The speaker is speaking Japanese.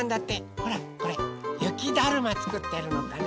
ほらこれゆきだるまつくってるのかな？